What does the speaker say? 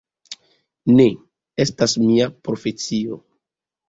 Ne estas mia profesio.